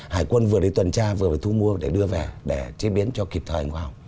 hải quân vừa đi tuần tra vừa đi thu mua để đưa về để chế biến cho kịp thời hành quả